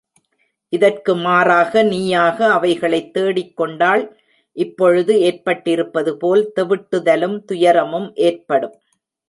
இதற்கு மாறாக, நீயாக அவைகளைத் தேடிக்கொண்டால், இப்பொழுது ஏற்பட்டிருப்பதுபோல் தெவிட்டுதலும் துயரமும் ஏற்படும்.